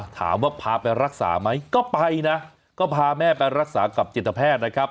ถามว่าพาไปรักษาไหมก็ไปนะก็พาแม่ไปรักษากับจิตแพทย์นะครับ